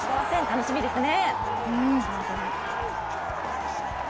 楽しみですね。